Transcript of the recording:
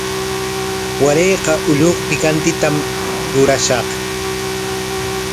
Warayqa ulluku pikantitam rurashaq.